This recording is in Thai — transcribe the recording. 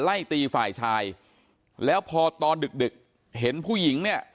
ไล่ตีฝ่ายชายแล้วพอตอนดึกดึกเห็นผู้หญิงเนี่ย